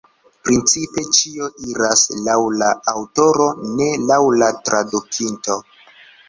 Principe ĉio iras laŭ la aŭtoro, ne laŭ la tradukinto.